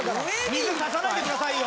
水差さないでくださいよ。